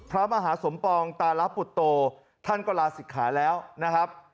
พระมหาสมปองตาลปุตโตท่านก็ลาศิกขาแล้วนะครับ